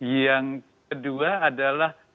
yang kedua adalah